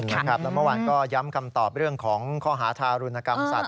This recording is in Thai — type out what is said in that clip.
แล้วเมื่อวานก็ย้ำคำตอบเรื่องของข้อหาทารุณกรรมสัตว